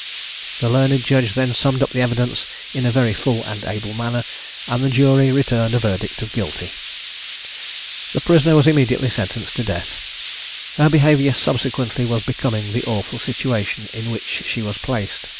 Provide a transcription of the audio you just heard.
The learned judge then summed up the evidence in a very full and able manner, and the jury returned a verdict of Guilty. The prisoner was immediately sentenced to death. Her behaviour subsequently was becoming the awful situation in which she was placed.